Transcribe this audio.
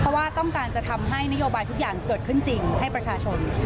เพราะว่าต้องการจะทำให้นโยบายทุกอย่างเกิดขึ้นจริงให้ประชาชน